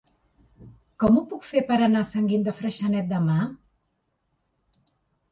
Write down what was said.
Com ho puc fer per anar a Sant Guim de Freixenet demà?